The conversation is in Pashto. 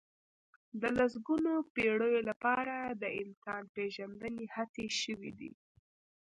د لسګونو پېړيو لپاره د انسان پېژندنې هڅې شوي دي.